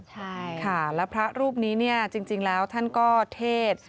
ใช่ค่ะแล้วพระรูปนี้เนี่ยจริงแล้วท่านก็เทศ